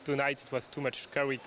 g tujuh japai al charution